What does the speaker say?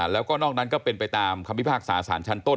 แล้วก็นอกนั้นก็เป็นไปตามคำพิพากษาสารชั้นต้น